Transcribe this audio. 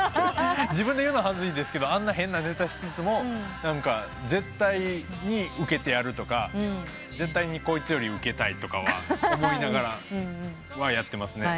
自分で言うの恥ずいですけどあんな変なネタしつつも絶対にウケてやるとか絶対にこいつよりウケたいとかは思いながらやってますね。